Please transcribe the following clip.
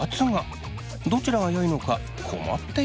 どちらがよいのか困っているそう。